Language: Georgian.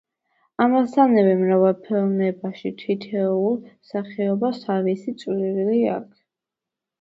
ამასთანავე მრავალფეროვნებაში თითოეულ სახეობას თავისი წვლილი შეაქვს.